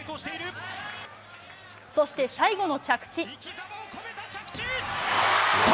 そして最後の着地。